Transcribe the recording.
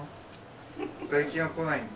最近は来ないんだ。